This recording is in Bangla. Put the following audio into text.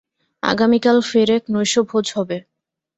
আগামী কাল ফের এক নৈশভোজ হবে।